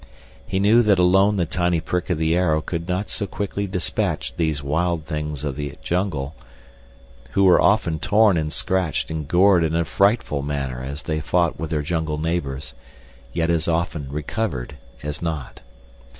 He knew that alone the tiny prick of the arrow could not so quickly dispatch these wild things of the jungle, who were often torn and scratched and gored in a frightful manner as they fought with their jungle neighbors, yet as often recovered as not.